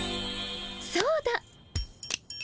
そうだ！